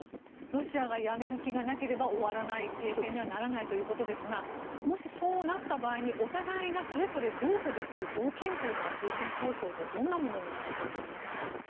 ロシアがやめる気がなければ停戦にはならないということですがもし、そうなった場合お互いがそれぞれ譲歩できる条件は停戦交渉でどんなものになると思いますか。